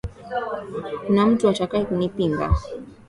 Kuna mtu atakaye kunipinga?